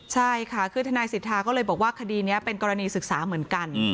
ใช่ค่ะคือทนายสิทธาก็เลยบอกว่าคดีนี้เป็นกรณีศึกษาเหมือนกัน